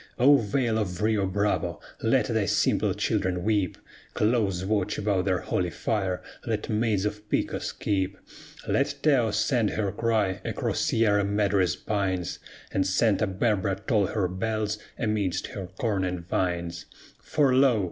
O Vale of Rio Bravo! Let thy simple children weep; Close watch about their holy fire let maids of Pecos keep; Let Taos send her cry across Sierra Madre's pines, And Santa Barbara toll her bells amidst her corn and vines; For lo!